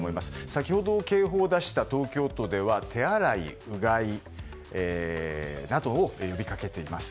先ほど、警報を出した東京都では手洗い、うがいなどを呼びかけています。